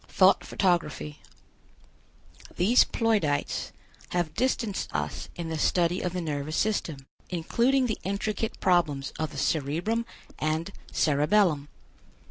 THOUGHT PHOTOGRAPHY. These Ploidites have distanced us in the study of the nervous system, including the intricate problems of the cerebrum and cerebellum.